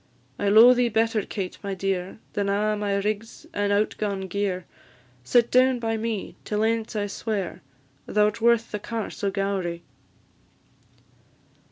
I lo'e thee better, Kate, my dear, Than a' my rigs and out gaun gear; Sit down by me till ance I swear, Thou 'rt worth the Carse o' Gowrie."